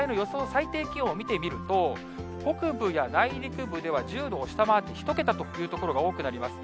最低気温を見てみると、北部や内陸部では１０度を下回って、１桁という所が多くなります。